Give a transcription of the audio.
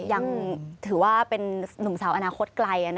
ยังถือว่าเป็นนุ่มสาวอนาคตไกล